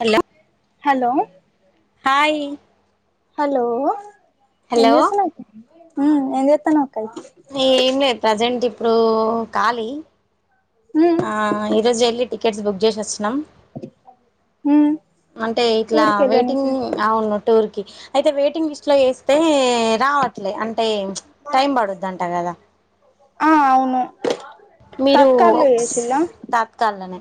Hello hello hi. Hello ఏం hello చేస్తున్నరు అక్క, ఏం చేత్తాన్నవు అక్కా ఇ ఏం లేదు ప్రజెంట్ ఇప్పుడు కాలీ. ఉ ఆ ఈరోజు ఎళ్ళి టికెట్స్ బుక్ చేశి వచ్చినం. ఉమ్ అంటే ఇట్లా వెయిటింగ్, ఊరికెళ్ళనికి అవును టూర్ కి అయితే వెయిటింగ్ లిస్ట్లో ఏసి స్తే రావట్లే అంటే టైం పడుద్దంటా కదా. ఆ అవును. మీరు తత్కాల్లో ఒక్స్ చేసిల్లా తాత్కాలనే.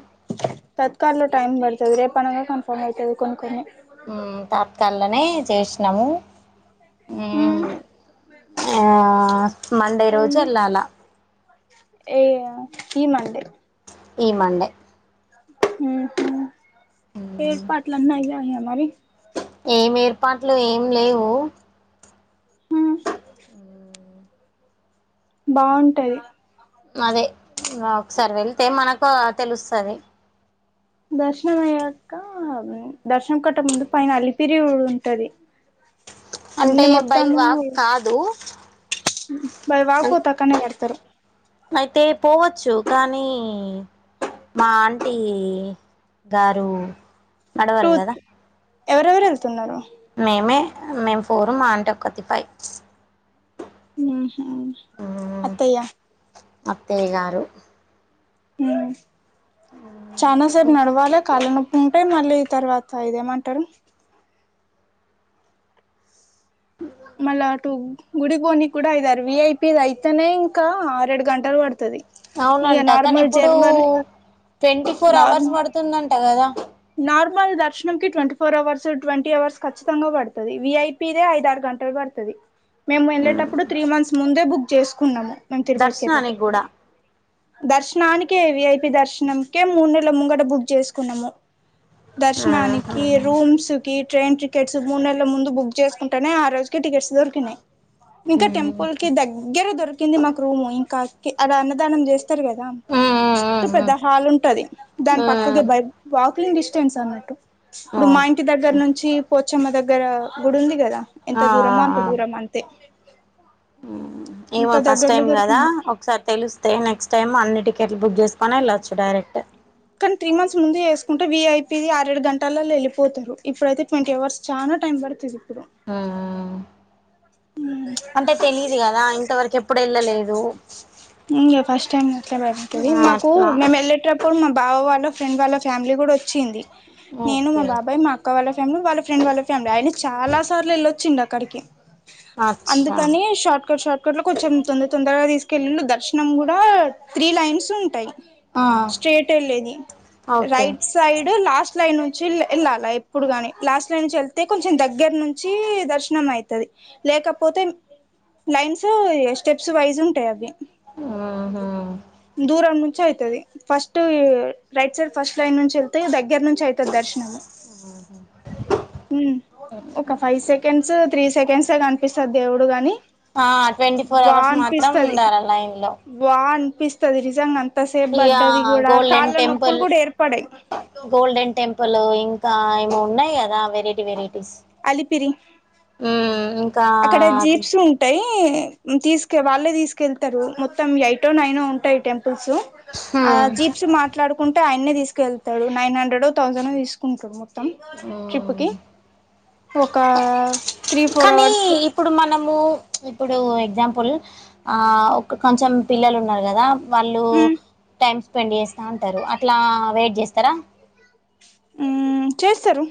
తత్కాల్లో టైం పడుతది, రేపు అనగా కన్ఫామ్ అయితది కొన్ని కొన్ని. తాత్కాలనే చేసినము. ఆ మండే రోజు సైలు ఎల్లాలా. ఏ ఆ ఈ మండే. ఈ మండే. ఏర్పాట్లన్ని అయ్యాయ మరి. ఏం ఏర్పాట్లు ఏం లేవు ఉమ్ బాగుంటది అదే ఒకసారి వెళ్తే మనకు తెలుస్తుంది దర్శనం అయ్యాక దర్శనం కొట్ట ముందు పైన అలిపిరి ఉంటది అంటే అన్ని బై మొత్తము వాక్ కాదు మరి రాకపోతే అట్లనే చేస్తారు అయితే పోవచ్చు కానీ మా ఆంటీ గారు టూ నాడవారు కదా ఎవరెవరు వెళ్తున్నారు మేమే మేము ఫోరు మా అంటీ ఒక్కతి ఫైవ్ ఆహా అత్తయ అత్తయ్య గారు చాలా సేపు ఇంకా నడవాలి కాళ్ళనొప్పు ఉంటాయి మళ్ళీ తర్వాత సా ఇదేమంటారు మళ్ళా అటు గుడి పోని కూడా అయిరు విఐపిదలు అయితేనే ఇంకా ఆరేడు గంటలు పడుతది ఇగ అవునంట కానీ నార్మల్ ఇప్పుడు జర్మన్ ట్వంటీ ఫోర్ నార్మ్ అవర్స్ పడుతుందంట కదా నార్మల్ దర్శనం కి twenty four hours twenty hours ఖచ్చితంగా పడుతుంది విఐ పి మిదె ఐదు ఆరు గంటలు పడుతుంది మేము వెళ్ళేటప్పుడు త్రీ మంత్స్ ముందే బుక్ చేసుకున్నాము మేమ్ తిరుపతికి దర్శనానికి వెళ్లేటప్పుడు కూడా దర్శనానికే విఐపి దర్శనంకే మూడు నెలల ముంగట బుక్ చేసుకున్నాము ఉ దర్శనానికే రూమ్స్ కి ట్రైన్ టికెట్స్ మూడు నెలల ముందు బుక్ చేసుకుంటెనే ఆ రోజుకి టికెట్స్ దొరికినాయి ఇంకా ఉమ్ టెంపుల్ కి దగ్గర దొరికింది మాకు రూమ్ ఇంకా అడ అన్నదానం చేస్తారు కదా ఉమ్ చస్తు పెద్ద ఉమ్ హాల్ ఉంటది దాని పక్కకి ఉమ్ బయ వా క్లీన్ డిస్టెన్స్ అన్నట్టు ఇప్పుడు మా ఇంటి దగ్గర ఓకే నుంచి పోచ్చమ్మ దగ్గర గుడి ఉంది కదా ఎంత ఆ ఆ దూరమో అంత ఆ దూరం అంతే ఉమ్, ఏమో అంత ఫస్ట్ దగ్గరలో టైమ్ కదా దొరికింది ఒకసారి తెలిస్తే నెక్స్ట్ టైమ్ అన్ని టికెట్లు బుక్ చేసుకొని వెళ్ళొచ్చు డైరెక్ట్ కానీ త్రీ మంత్స్ ముందే వేసుకుంటే వీఐపీ ఆరేడు గంటలలో వెళ్ళి పోతారు ఇప్పుడైతే ట్వంటీ అవర్స్ చాలా టైమ్ం పడుతుది ఇప్పుడు హామ్ ఆ అంటే తెలిదు కదా ఇంతవరకు ఎప్పుడు వెళ్ళలేదు ఇంకే ఫస్ట్ టైమ్ అట్లే పడతది ఆ, మాకు అట్లా మే ఎల్ టాప్ అప్పుడు మా బావా వాళ్ళ ఫ్రెండ్ వాళ్ళ ఫ్యామిలీ కూడా వచ్చింది నేను మా ఓకే బాబాయ్ మా అక్క వాళ్ళ ఫ్యామిలీ వాళ్ళ ఫ్రెండ్ వాళ్ళ ఫ్యామిలీ ఆయిన చాల సార్లు వెల్ళొచ్చిండూ అక్కడికి అచ్చా అందుకని షార్ట్కట్ షార్ట్ కట్ లో కొంచెం తొందర తొందరగా తీసుకెళ్లిండు దర్శనం కూడా త్రీ లైన్స్ ఉంటాయి స్ట్రేట్ వెళ్ళలేది okay rights side last line నుంచి వెళ్ళాలా ఎప్పుడు గాని లాస్ట్ లైన్ నుంచి వెళ్తే కొంచెం దగ్గర నుంచి నుంచి దర్శనం అవుతుది లేకపోతే లైన్స్ స్టెప్స్ వైజ్ ఉంటాయి అవి ఆహా దూరం నుంచి అయితది first right side first line నుంచి ఎళ్తే దగ్గర్నుంచి అయిత్ దర్శనము ఉమ్ ఒక five sec seconds three seconds ఏ కనిపిస్తడు దేవుడు గని ఆ ట్వంటీ ఫోర్ అవర్స్ మాత్రం ఉండాలె లైన్ లో వా అనిపిస్తది నిజంగ అంతసేపు ఇక పడ్డది గూడ గోల్డెన్ కాళ్ళ టెంపుల్ నొప్పులు కూడ ఏర్పడయ్ గోల్డెన్ టెంపులు ఇంకా ఏమో ఉన్నాయి గదా వెరైటీ వెరైటీస్ అలిపిరి ఉమ్ అక్కడ జీప్స్ ఉన్ టయి తీసుక వాళ్ళే తీసుకెళ్తరు మొత్తం ఎయిటో నైనో ఉంటయి టెంపుల్స్ ఆ హ్మ్ జీప్స్ మాట్లాడుకుంటే ఆయన్నే తీసుకెళ్తడు నైన్ హండ్రెడో థౌసండో తీసుకుంటడు మొత్తం తం ట్రిప్ మ్మ్ కి ఒక త్రీ ఫోర్ అవర్స్ ప్పుడు మనము ఇప్పుడు ఎగ్జాంపుల్ ఆ ఒక కొంచెం పిల్లలు ఉన్నరు గదా వాళ్ళు ఉమ్ టైమ్ స్పెండ్ చేస్తా ఉంటరు అట్లా వెయిట్ చేస్తరా ఊమ్ చేస్తరు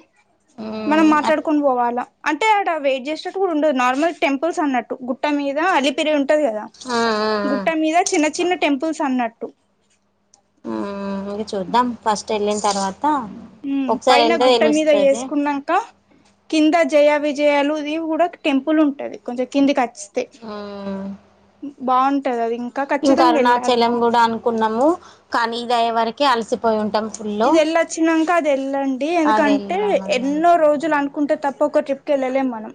మనం మ్మ్ ఆ మాట్లాడుకొని పోవాలా అంటే ఆడ వెయిట్ చేసేటట్టు గూడ ఉండదు నార్మల్ టెంపుల్స్ అన్నట్టు గుట్ట మీద అలిపిరి ఉంట్ ట్టది గదా ఆ ఆ గుట్ట మీద చిన్న చిన్న టెంపుల్స్ అన్నట్టు ఆ ఇంగ చూద్దాం ఫస్ట్ ఎళ్ళిన్తర్వాత పైన గుట్ట మీద ఏసుకున్నంక కింద జయ విజయలుది గూడ టెంపుల్ ఉంటది కొంచెం కిందికచ్తె ఆ బావుంటది ఇంక్ ఇంక అరుణాచలం గూడ అనుకున్నము కానీ ఇది అయ్యే వరకే అలసిపోయి ఉంటం ఇదెళ్ళచ్చినంక అది ఎళ్ళండి అది ఎందుకంటే వెళ్ళాము ఎన్నో రోజులు అనుక్ కుంటే తప్ప ఒక ట్రిప్ కి ఎళ్ళలేం మనం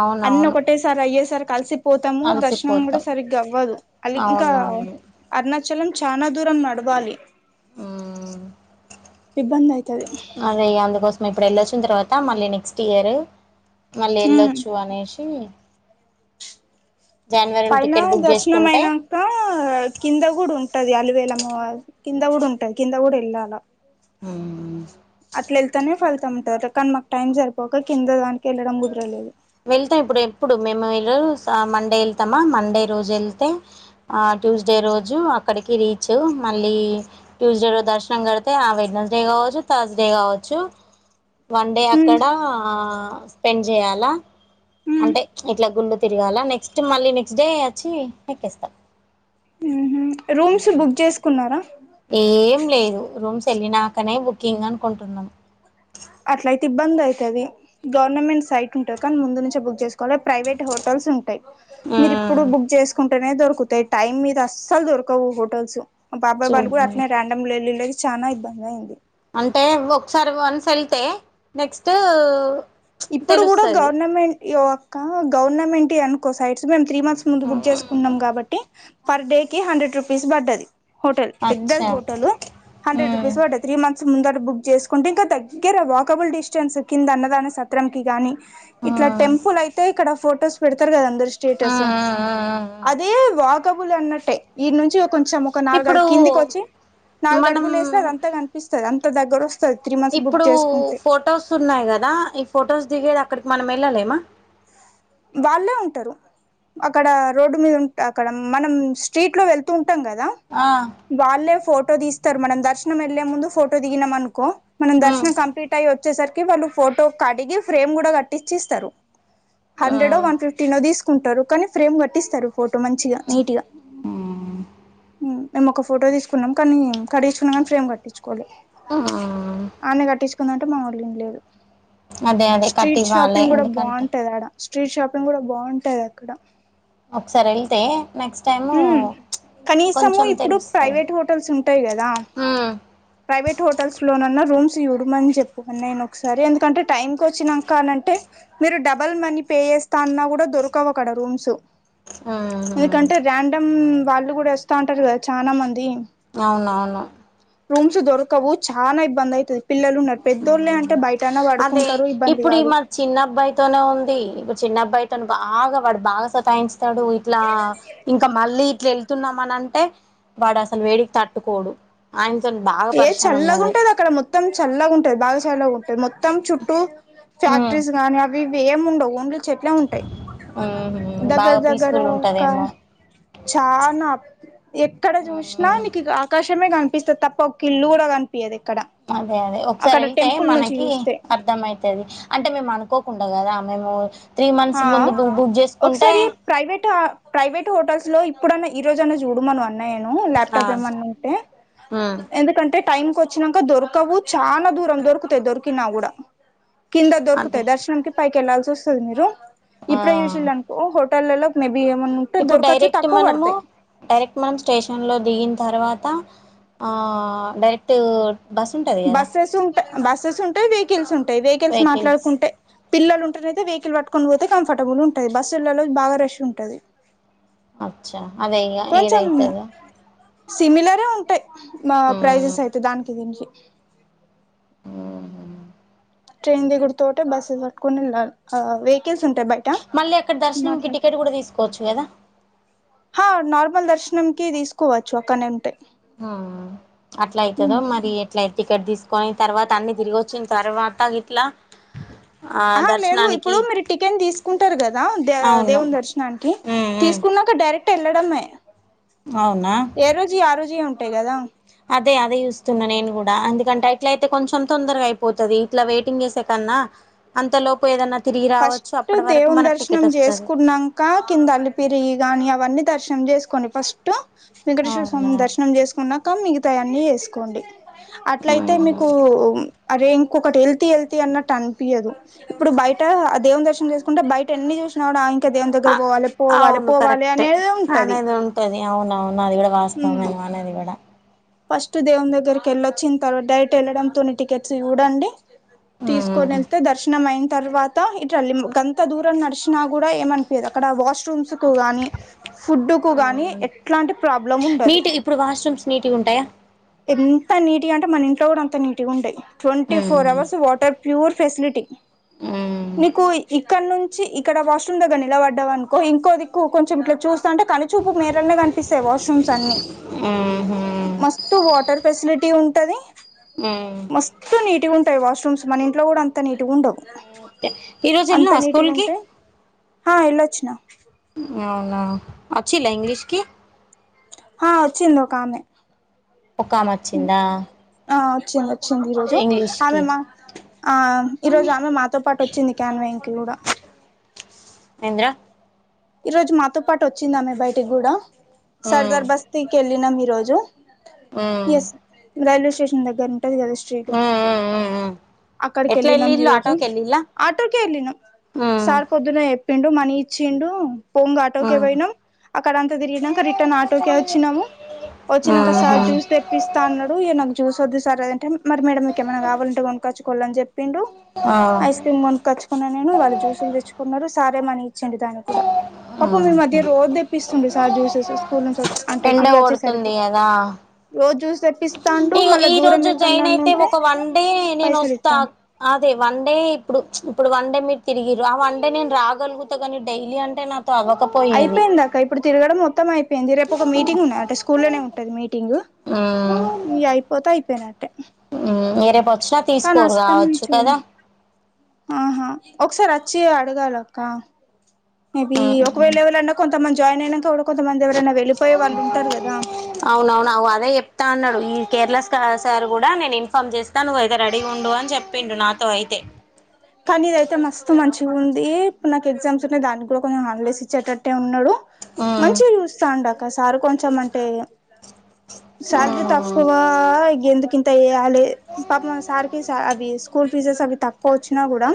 అవునవును అన్నొకటేసారయ్యేసరికి అలసిప్ పోతము దర్శనం గూడ అలసిపోతాం సరిగ్గవ్వదు అలి ఇంకా అవునవును అరుణాచలం చానా దూరం నడవాలి మ్మ్ ఇబ్బంది అయితది అదే ఇగ అందుకోసం ఇప్పుడు వెళ్ళొచ్చిన్తర్వాత మళ్ళీ నెక్స్ట్ ఇయర్ మళ్ళీ ఎళ్ళొచ్చు అనేసి జనవరిలో పైనా టికెట్ బుక్ చేసుకుంటే దర్శనమైనా కా కింద గూడ ఉంటది అలివేలమ్మ వారిద్ కింద గూడ ఉంటది కింద గూడ ఎళ్ళాల ఉమ్ అట్లెళ్తనే ఫలితముంటదట కానీ మాక్ టైం సరిపోక కింద దానికి ఎళ్ళడం కుదరలేదు వెళ్తం ఇప్పుడు ఎప్పుడు మేము ఇగ మండే ఎళ్తమా మండే రోజు ఎళ్తే ఆ ట్యూస్డే రోజు అక్కడికి రీచ్ మళ్ళీ ట్యూస్డే రోజ్ దర్శనం గడితే ఆ వెడ్నస్డే గావచ్చు థర్స్డే గావచ్చు వన్ డే హ్మ్ అక్కడ స్పెండ్ జేయాలా హ్మ్ అంటే ఇట్ల గుళ్ళు తిరగాల నెక్స్ట్ మళ్ళీ నెక్స్ట్ డే అచ్చి ఎక్కేస్తం ఉమ్ హు రూమ్స్ బుక్ జేసుకున్నరా ఏం లేదు రూమ్స్ ఎళ్ళినాకనే బుకింగ్ అనుకుంటున్నం అట్లయితే ఇబ్బంది అయితది గవర్నమెంట్ సైట్ ఉంటది కనీ ముందు నుంచే బుక్ జేసుకోవాలె ప్రైవేట్ హోటల్స్ ఉంటయి మీరు ఇప్పుడు మ్మ్ బుక్ జేసుకుంటనే దొరుకుతయి టైమ్ మీద అస్సలు దొరకవు హోటల్స్ మా బాబయ్ బండి గుడ చూద్దాం అట్నే ర్యాండమ్ లో వెల్ళిళ్లెసి చాల ఇబ్బందే అయింది. అంటే నువ్ ఒకసారి వన్స్ ఎళ్తే నెక్స్ట్ ఇప్పుడు గుడ తెలుస్తది గవర్నమెంట్ యెక్క గవర్నమెంటి అనుకో సైడ్ సూ మేము త్రీ మంత్స్ ముందు బుక్ చేసుకున్నం కాబట్టి, పర్ డే కి హండ్రెడ్ రూపీస్ పడ్డది. హోటెల్ పెద్దది అచ్చా హోటెలు హండ్రెడ్ మ్మ్ రుపీస్ పడ్డది త్రీ మంత్స్ ముందట బుక్ చేసుకుంటే ఇంకా దగ్గర వాకబుల్ డిస్టెన్స్ కింద అన్నదాన సత్రంకి కానీ ఇట్ల మ్మ్ టెంపుల్ అయితే ఇక్కడ ఫొటోస్ పెడతరు కదా అందరు స్టేటసు మ్మ్ అదే వాకబుల్ అన్నట్టే ఈడ నుంచి ఇగ కొంచెము ఒక నాలుగు అడు ఇప్పుడు కిందికి వచ్చి, నాలుగు మనం అడుగులు ఏస్తే అది అంత కనిపిస్తది, అంత దగ్గర వస్ ఇప్పుడు ఫొటోస్ ఉన్నాయి కదా, ఈ ఫొటోస్ దిగేది అక్కడికి మనం ఎళ్ళలేమా? వాళ్ళే ఉంటరు అక్కడ రోడ్డు మీద ఉంట అక్కడ మనం స్ట్రీట్ లో వెళ్తూ ఉంటాం కదా ఆ వాళ్లేే ఫోటో తీస్తరు మనం దర్శనం ఎళ్లే ముందు ఫోటో దిగినం అనుకో, మనం మ్మ్ దర్శనం కంప్లీట్ అచ్ చేసరికి వాళ్ళు ఫోటో కడిగి ఫ్రేమ్ గుడ కట్టించి ఇస్తరు. హండ్రెడో మ్మ్ వన్ ఫిఫ్టీనో తీసుకుంటరు కనీ ఫ్రేమ్ కట్టిస్తరు. ఫోటో మంచిగా, నీట్గా. ఉమ్ మేము ఒక ఫోటో తీసుకున్నం కానీ కడించుకున్నం కనీ ఫ్రేమ్ కట్టించుకోవాలె, మ్మ్ ఆన్నే కట్టించ్ కుందమంటె మా వాళ్ళు ఇనుడు లేదు, అదే అదే స్ట్రీట్ కట్టివ్వాలి షాపింగ్ గుడ ఎందుకంటే బాగుంటది ఆడ. స్ట్రీట్ షాపింగ్ గుడ బాగుంటది అక్కడ. ఒకసారి ఎళ్తే నెక్ట్ టైమ్ ఉమ్ కనీసము ఇప్పుడు తెలుస్తది ప్రైవేట్ హోటల్స్ ఉంటయి కదా ఉమ్ ప్రైవేట్ హోటల్స్ లోనన్నా రూమ్స్ యూడుమని చెప్పు అన్నయ్యనీ ఒకసారి ఎందుకంటే టైంకి వచ్చినంక అనంటే మీరు డబల్ మనీ పే చేస్తా అన్నా గుడ దొరకవు అక్కడ రూమ్స్ ఉహు రాండమ్ వాళ్ళు గుడ వస్తా ఉంటరు కదా చానా మంది అవునవును రూమ్స్ దొరకవు చాన ఇబ్బంది అయితది పిల్లలు ఉన్నరు పెద్దోళ్లే అంటే హ్మ్. బయట అన్నా పడుకుంటరు ఇబ్బంది కాదు. చిన్నబ్బాయితొనే ఉంది, ఇప్పుడు చిన్న అబ్బాయితో బాగా వాడు బాగా సతాయించ్ తాడు ఇట్లా ఇంకా మళ్ళీ ఇట్ల ఎ తున్నామని అంటే వాడు అసలు వేడికి తట్టుకోడు, ఆయనతోని బాగా ఏ పరేషాన్ చల్లగా ఉన్నది. ఉంటది అక్కడ మొత్తం చల్లగా ఉంటది బాగ చల్లగా ఉంటది, మొత్తం చుట్టూ ఉమ్ ఫ్యాక్టరీస్ గానీ అవి ఇవి ఏం ఉండవు ఓన్లీ చెట్లే ఉంటయి. ఉమ్ దగ్గర బాగా దగ్గరా పీస్ఫుల్ ఒక ఉంటదేమో చాన ఎక్కడ జూసినా ఉమ్ నీకిగా ఆకాశమే కనిపిస్తది తప్ప ఇల్లు కూడా కనిపియ్యదు ఎక్కడ అదే అదే ఒకసారి అక్కడ ఎళ్తే టెంపుల్ నుంచి మనకి చూస్తే అర్ధం అయతది. అంటే మేము అనుకోకుండా కదా, మేము త్రీ మంత్స్ ముందు బు బుక్ చేసుకుంటే ప్రైవేట ప్రైవేట్ హోటల్స్ లో ఇప్పుడన్న, ఈ రోజన్నా చూడమను అన్ అన్నయ్యను ఆ లాప్టాప్ ఏమన్నా ఉంటే ఉమ్ ఎందుకంటే టైం కు వచ్చినంక దొరకవు చానా దూరం, దొరికుతై దొరికినా గుడ కింద అదే దొరుకుతయి దర్శనంకి పైకెళ్ళాల్సి వస్తది మీరు ఆ ఇప్పుడే చేసిండనుకో హోటళ్లలో మేబీ ఏమన్నా ఉంటే ఇప్పుడు దొరకచ్చు, డైరెక్ట్ తక్కువ మనము పడతయి డైరెక్ట్ మనం స్టేషన్లో దిగిన తర్వాత ఆ డైరెక్ట్ బస్ ఉంటది కదా బస్సెస్ ఉంటాయి బస్సెస్ ఉంటాయి వెహికల్స్ ఉంటాయి వెహికల్స్ మాట్లాడుకుంటే పిల్లలుంటనయి వెహికల్ పట్టుకొని పోతే కంఫర్టబుల్ ఉంటుంది బస్సుళ్లలో బా రష్ ఉంటది అచ్చా అదై ఇగా కొంచెం ఏదవుతుంద సిమిలరే ఉంటాయి మా ఉమ్ ప్రైజెస్ అయితే దానికి దీనికి ఉహు ట్రైన్ దగ్గురతోటే బస్సుస్ పట్టుకునిళ్ళాలి ఆ వెహికల్స్ ఉంటాయి బైక్ మళ్ళీ అక్కడ దర్శనం క టికెట్ కూడా తీసుకోవచ్చు కదా నార్మల్ దర్శనం కి తీసుకోవచ్చు అక్కనే ఉంటయి ఆ అట్లా అవుతుందో మరి ఎట్లయి టికెట్ తీసుకొని తర్వాత అన్ని తిరిగి వచ్చిన తర్వాత ఇట్లా ఆ ఆ లేదు దర్శనానికి ఇప్పుడు మీరు టికెన్ తీసుకుంటారు కదా దే అవును దేవుని దర్శన్ అ ఉమ్ ఉమ్ తీసుకున్నాక డైరెక్ట్ వెళ్ళడమే అవునా ఏ రోజు ఆ రోజు ఉంట ట్టే కదా అదే అదే చూస్తున్నా నేను కూడా ఎందుకంటే అట్ల అయితే కొంచెం తొందరగా అయిపోతది ఇట్లా వెయిటింగ్ చేసే కన్నా అంతలోపు ఏదన్నా తిరిగి ఫస్ట్ రావచ్చు అప్పటి వరకు దేవుని మనకు దర్శనం టికెట్ వస్తది చేసుకున్నాం కా కింద అలిపిరి గాని అవన్నీ దర్శనం చేసుకొని ఫస్ట్ టు వెంకటేశ్వర అవునా స్వామి దర్శనం చేసుకున్నాక మిగతాయన్నీ వేసుకోండి అట్లయితే ఉమ్ మీకు అరే ఇంకొకటి హెల్త హెల్త అన్నట్టు అనిపియ్యదు ఇప్పుడు బయట ఆ దేవం దర్శనం చేసుకుంటే బయట ఇ ఎన్ని చూసినా కూడా ఇంకా దేవుని ఆ దగ్గర పోవాలి పోవాలి పోవాలి కరెక్టే అనేది ఉంటది అనేది ది అవున అవును అది కూడా వాస్తాంమే అనేది కూడా ఫస్ట్ దేవుం దగ్గరికి వెళ్ళొచ్చిన తర్వాత డైరెక్ట్ వెళ్ళడంతోని టికెట్స్ చూడండి తీసుకొని ఉమ్ వెళ్తే దర్శనం అయిన తర్వాత ఇట్లాల్ ఎంత దూరం నడిచినా కూడా ఏమనిపయది అక్కడ వాష్రూమ్స్ కు గాని ఫుడ్ కు గాని ఎట్లాంటి ప్రాబ్లం ఉండదు నీటి ఇప్పుడు వాష్రూమ్స్ నీట్గా ఉంటాయా ఎంత నీట్గా అంటే మన ఇంట్లో కూడా అంత నీట్గా ఉండయి twenty four hours water pure facility నీకు ఇక్కడ నుంచి ఇక్కడ వాష్రూమ్ దగ్గ నిలబడ్ అకో ఇంకోదిక్కు కొంచెం ఇట్లా చూస్తాంట కానిచూపు మీరలో స్తా వాష్రూమ్స్ అన్ని ఊహూ మస్తు వాటర్ ఫెసిలిటీ ఉంటది మ్మ్ మస్ ఎూ నీట్గా ఉంటాయి వాష్రూమ్స్ మన ఇంట్లో కూడా అంత నీట్గా ఉండవు ఈ రోజు అంత వెళ్లినవా స్కూల్ నీట్గా కి ఉంటాయి ఆ ఏలోచిన వునా అచ్చి లే ఇంగ్లిష్కి ఆ వచ్చింది ఒక ఆమె ఒక అమె వచ్చిందా ఆ వచ్చింది వచ్చింది ఈరోజు ఇంగ్లీష్ ఆమె కి మా ఆ ఈరోజు ఆమె మాతో పాటు వచ్చింది క్యాన్వా ఇంట్ కూడా ఏంద్ర ఈ రోజు మాతో పాటు వచ్చిందా మీ బయటికి కూడా మ్మ్ సర్దార్ బస్తీకి వెళ్ళినాం ఈ రోజు మ్మ్ ఎస్ రైల్వే స్టేషన్ దగ్గర ఉంటుంది కదా స్ట్రేట్ మ్మ్ మ్మ్ మ్మ్ మ్మ్ అక్కడకి ఎట్లా వెళ్ళ నం వెళ్ళిళ్ళు ఈరోజు ఆటోకి వెళ్ళిళ్ళా ఆటర్క వెళ్ళ న మ్మ్ సార్ పొద్దున చెప్ ప్పిండు మనీ ఇచ్చిండు పోంగ ఆటోకే మ్మ్ పోయినాం అక్కడంతా తిరిగినంక రిటర్న్ ఆటోకే వచ్చినాము వచ్చినాక ఊహూ సార్ చూస్తే ఇస్తా అన్నాడు ఈయనకు జూస్ వద్దుసార్ లేదంట మేడమ్ మీకెమైనావాలంటే కొనక్కాచ్చుకోవాలని చెప్పిండు ఆ ఐస్ క్రీమ్ కోనుక్కొచ్చుకున్నా నేను వాళ్ళు జ్యూస్లు తెచ్చుకున్నారు సర్ యే మని ఇచ్చిండు దానికి కూడా పాపం మీ మధ్య ఊహూ రోజు తెప్పిస్తుండు సార్ జ్యూసెస్ స్కూల్ నుంచి వచ్చి ఆ ఎండ కొడుతుంది కదా రోజ్ జూస్తే ఇగో ఈరోజు జాయిన్ అయితే ఒక వన్ డే నేను పైసలు వస్తా ఇస్తాండు అదే వన్ డే ఇప్పుడు ఇప్పుడు వన్ డే మీరు తిరిగిరు ఆ వన్ డే నేను రాగలుగుతా కానీ డైలీ అంటే నా తో అవ్వకపో అయిపోయిందక్క ఇప్పుడు తిరగడం మొత్తం అయిపోయింది రేపు ఒక మీటింగ్ ఉన్నదంట స్కూలోనే ఉంటది మీటింగ్ ఆ మీయ్యి అయిపోతే అయిపోయినట్టే ఏ రేపోచ్చినా కానీ తీసుకోరు కావచ్చు అస్తమించు కదా ఆహా ఒకసారి వచ్చి అడగాలక్క మేబి అంటే కొంతమంది జాయిన్ అయినాక కూడా కొంతమంది ఎవరైనా వెళ్ళిపోయేవాళ్ళుంటారు కదా అవునవునువు అదే చెప్తా అన్నాడు ఈ కేర్లెస్ సార్ కూడా నేను ఇన్ఫామ్ చేస్తాను నువ్వయితే రెడీగా ఉండు అని చెప్ పిండు నాతో అయితే కానీ ఇదయితే మస్తు మంచిగుంది ఇప్పుడు నాకు ఎగ్జామ్స్ ఉన్నాయి దానికి కూడా కొంచెం హాలిడేస్ ఇచ్చేటట్టే ఉన్నడు ఉమ్ మంచిగా చూస్తాండు అక్క సారు కొంచెం అంటే శాలరీ ఉమ్ తక్కువ ఇగెందుకింత చెయ్యాలే పాపం ఆ సార్కి అవి స్కూల్ ఫీజాస్ అవి తక్కువ వచ్చినా కూడా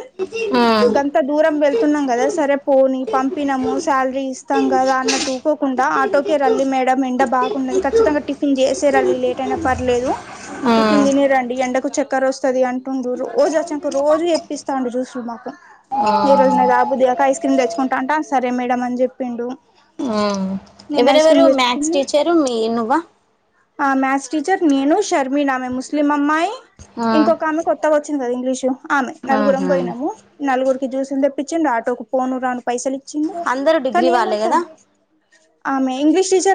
గంత దూరం వెళ్తున్నాం కదా సరే పోని పంపినము శాలరీ ఇస్తాం కదా అన్నటుూకోకుండా ఆటోకే రండి మేడం ఎండ బా ఉన్నది ఉమ్ ఖచ్చితంగా టిఫిన్ చేసేరండి లేట్ అయినా పర్లేదు ఆ టిఫిన్ తినే రండి ఎండకు చక్కరోస్తది అన్ రెండు రోజు వచ్చాంక రోజు ఎప్పిస్తాండు జ్యూస్లు మాకు ఆ ఈరోజు నేన్ తా తాగబుద్ధి కాక ఐస్ క్రీమ్ తెచ్చుకుంటా అంటే సరే మేడమ్ అని చెప్పిండు ఊ నేను ఐస్ ఎవరెవరు క్రీమ్ మ్యాథ్స్ తెచ్చుకున్న టీచరు మీ నువ్వ ఆ మ్యాథ్స్ టీచర్ నేను షర్మిిన ఆమె ముస్లిం అమ్మాయి ఆ ఇంకొక ఆమె కొ కొత్తగా వచ్చింది కదా ఇంగ్లీషు ఆమె నలుగురు ఆహా పోయినము నలుగురికి జ్యూస్లుతెప్పించండి ఆటోకి పోను రాను పైసలీచ్చిండు అందరూ డిగ్రీ వాళ్ళే కానేమంత కదా ఆమె ఇంగ్లీష్ టీచరు